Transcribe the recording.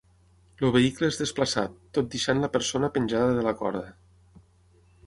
El vehicle és desplaçat, tot deixant la persona penjada de la corda.